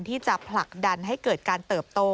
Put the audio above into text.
ที่จะผลักดันให้เกิดการเติบโต